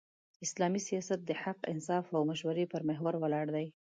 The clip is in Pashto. اسلامي سیاست د حق، انصاف او مشورې پر محور ولاړ دی.